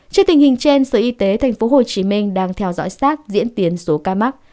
trước tình hình trên sở y tế tp hcm đang theo dõi sát diễn tiến số ca mắc